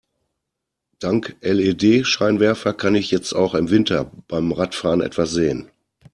Dank LED-Scheinwerfer kann ich jetzt auch im Winter beim Radfahren etwas sehen.